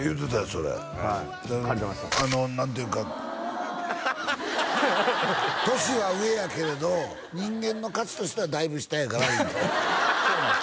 それはい借りてましたで何ていうか年は上やけれど人間の価値としてはだいぶ下やから言うてたハハハ！